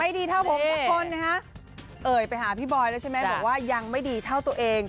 ดีเท่าผมทุกคนนะฮะเอ่ยไปหาพี่บอยแล้วใช่ไหมบอกว่ายังไม่ดีเท่าตัวเอง